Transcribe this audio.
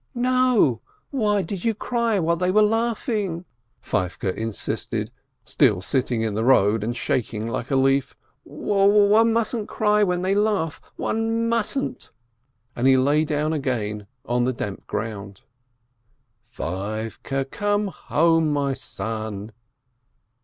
"No ! Why did you cry, while they were laughing ?" Feivke insisted, still sitting in the road and shaking' like a leaf. "One mustn't cry when they laugh, one mustn't !" 564 BEKKOWITZ And he lay down again on the damp ground. "Feivele, come home, my son